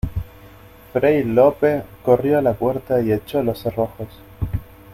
fray Lope corrió a la puerta y echó los cerrojos.